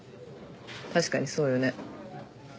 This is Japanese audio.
確かにそうよね。